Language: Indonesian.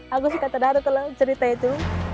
aku suka terharu kalau cerita itu